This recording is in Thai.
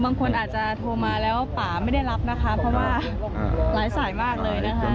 บางคนอาจจะโทรมาแล้วป่าไม่ได้รับนะคะเพราะว่าหลายสายมากเลยนะคะ